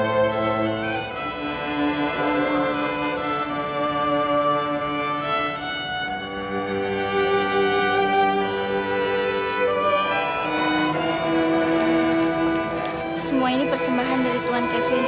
semua ini persembahan dari tuhan kevin